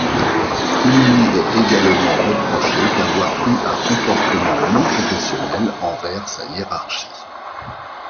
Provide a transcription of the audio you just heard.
Il lui est également reproché d'avoir eu un comportement non-professionnel envers sa hiérarchie.